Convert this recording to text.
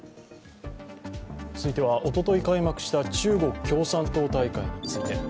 続いては、おととい開幕した中国共産党大会について。